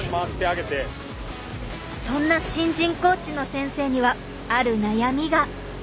そんな新人コーチの先生にはある悩みが。